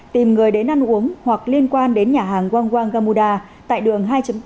tìm người đến ăn uống hoặc liên quan đến nhà hàng wang wang gamuda tại đường hai bốn